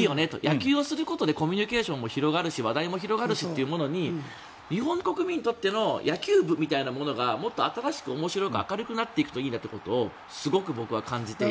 野球をすることでコミュニケーションも広がるし話題も広がるしというもの日本国民にとっての野球部みたいなものがもっと新しく面白く明るくなっていくといいなということを僕は感じていて。